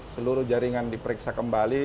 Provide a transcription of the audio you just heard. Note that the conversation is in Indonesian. seluruh jaringan diperiksa kembali